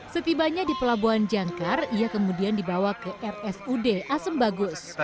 setibanya di pelabuhan jangkar ia kemudian dibawa ke rsud asem bagus